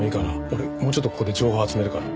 俺もうちょっとここで情報集めるから。